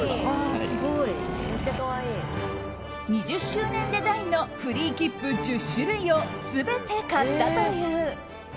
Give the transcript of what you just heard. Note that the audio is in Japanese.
２０周年デザインのフリーきっぷ１０種類を全て買ったという。